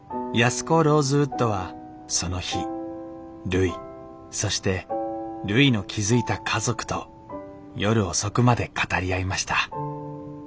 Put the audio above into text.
安子・ローズウッドはその日るいそしてるいの築いた家族と夜遅くまで語り合いました。